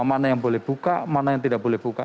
mana yang boleh buka mana yang tidak boleh buka